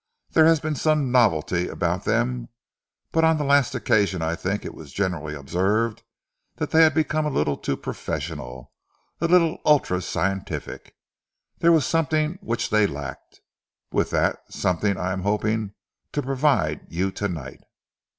There has been some novelty about them, but on the last occasion I think it was generally observed that they had become a little too professional, a little ultra scientific. There was something which they lacked. With that something I am hoping to provide you to night.